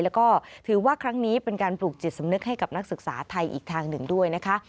แล้วก็ถือว่าครั้งนี้เป็นการปลูกจิตสำนึกให้กับนักศึกษาไทยอีกทางหนึ่งด้วยนะคะ